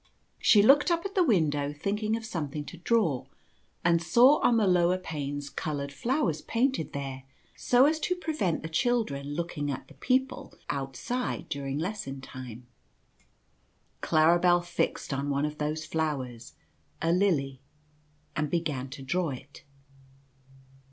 She 128 The Lily. looked up at the window thinking of something to draw and saw on the lower panes coloured flowers painted there so as to prevent the children looking at the people outside during lesson time. Claribel fixed on one of these flowers, a lily, and began to draw it.